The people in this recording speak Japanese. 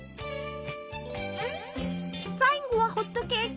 最後はホットケーキ！